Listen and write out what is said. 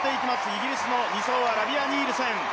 イギリスの２走はラビア・ニールセン。